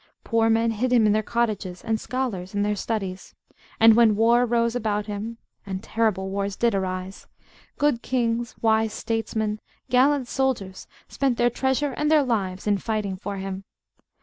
Poor men hid him in their cottages, and scholars in their studies. And when war arose about him, and terrible wars did arise, good kings, wise statesmen, gallant soldiers, spent their treasure and their lives in fighting for him.